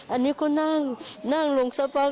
อันนี้ก็นั่งนั่งลงสักพัก